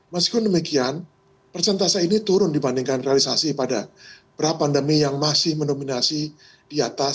meskipun demikian persentase ini turun dibandingkan realisasi pada pra pandemi yang masih mendominasi di atas